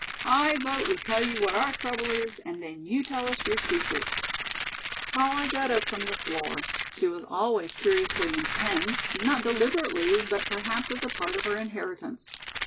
I vote we tell you what our trouble is and then you tell us your secret." Polly got up from the floor. She was always curiously intense, not deliberately, but perhaps as a part of her inheritance.